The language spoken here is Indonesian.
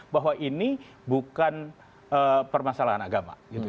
bahwa ini bukan permasalahan agama